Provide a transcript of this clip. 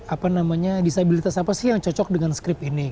apa namanya disabilitas apa sih yang cocok dengan skript ini